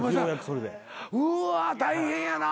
うわ大変やな。